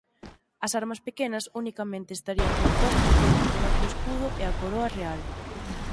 As armas pequenas unicamente estarían compostas polo propio escudo e a coroa real.